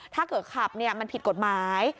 ถ้าเกิดขับมันผิดกฎหมาย